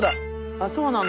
あそうなんだ。